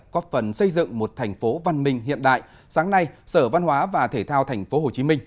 góp phần xây dựng một thành phố văn minh hiện đại sáng nay sở văn hóa và thể thao tp hcm